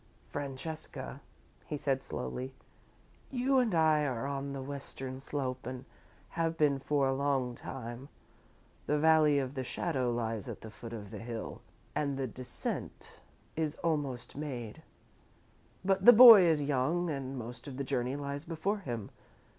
"Francesca," he said, slowly, "you and I are on the Western slope and have been for a long time. The Valley of the Shadow lies at the foot of the hill and the descent is almost made. But the boy is young, and most of the journey lies before him.